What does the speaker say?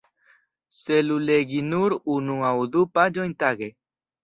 Celu legi nur unu aŭ du paĝojn tage.